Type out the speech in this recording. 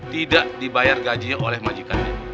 tidak dibayar gajinya oleh majikannya